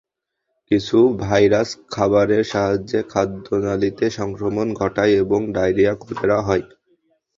কিছু ভাইরাস খাবারের সাহায্যে খাদ্যনালিতে সংক্রমণ ঘটায় এবং ডায়রিয়া, কলেরা হয়।